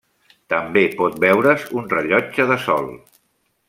També pot veure's un rellotge de sol.